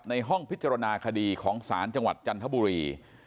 ห้องพิจารณาคดีของศาลจังหวัดจันทบุรี